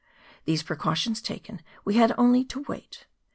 These precautions taken, we had only to wait.